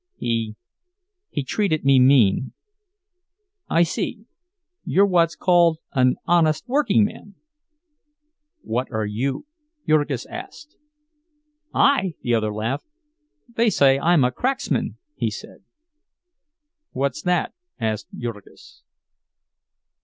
"He—he treated me mean." "I see. You're what's called an honest workingman!" "What are you?" Jurgis asked. "I?" The other laughed. "They say I'm a cracksman," he said. "What's that?" asked Jurgis.